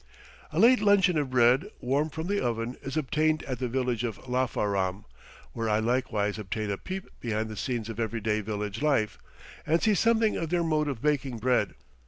A late luncheon of bread, warm from the oven, is obtained at the village of Lafaram, where I likewise obtain a peep behind the scenes of everyday village life, and see something of their mode of baking bread.